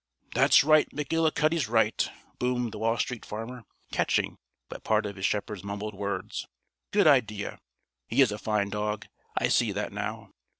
"That's right; McGillicuddy's right!" boomed the Wall Street Farmer, catching but part of his shepherd's mumbled words. "Good idea! He is a fine dog. I see that now.